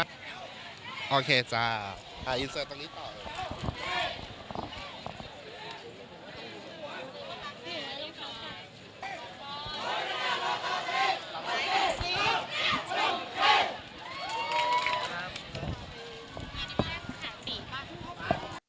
สวัสดีครับ